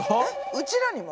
うちらにも？